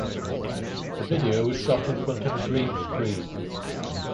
The video was shot in front of a green screen.